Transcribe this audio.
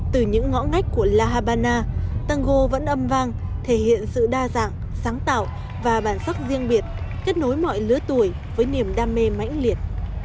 từ những ngõ ngách của la habana tango vẫn âm vang thể hiện sự đa dạng sáng tạo và bản sắc riêng biệt kết nối mọi lứa tuổi với niềm đam mê mãnh liệt